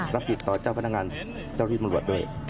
รับผิดต่อเจ้าพนักงานเจ้าที่ตำรวจด้วย